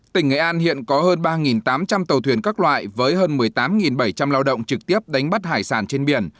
tỉnh nghệ an hiện có hơn ba tám trăm linh tàu thuyền các loại với hơn một mươi tám bảy trăm linh lao động trực tiếp đánh bắt hải sản trên biển